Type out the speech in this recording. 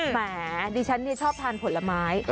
แหมดิฉันชอบทานผลไม้